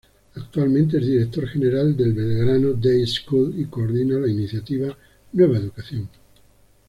Actualmente es Director General del Belgrano Day School y coordina la iniciativa Nueva Educación.